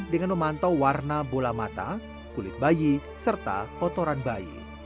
dengan memantau warna bola mata kulit bayi serta kotoran bayi